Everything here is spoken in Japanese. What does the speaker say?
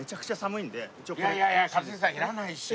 いやいやいや一茂さんいらないでしょ。